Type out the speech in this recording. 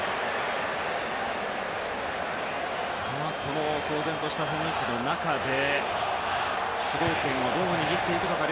この騒然とした雰囲気の中で主導権をどう握っていくのか。